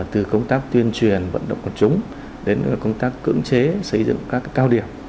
từ công tác tuyên truyền vận động của chúng đến công tác cưỡng chế xây dựng các cao điểm